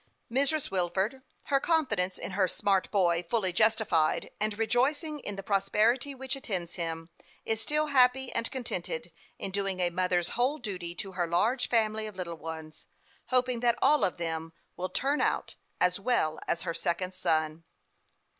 Mrs. Wilford, her confidence in her " smart boy " fully justified, and rejoicing in the prosperity which attends him, is still happy and contented in doing a 310 HASTE AND WASTE, OK mother's whole duty to her large family of little ones, hoping that all of them will " turn out" as well as her second son.